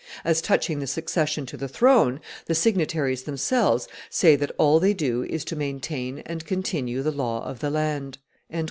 As touching the succession to the throne, the signataries themselves say that all they do is to maintain and continue the law of the land."